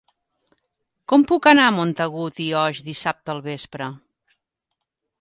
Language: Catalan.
Com puc anar a Montagut i Oix dissabte al vespre?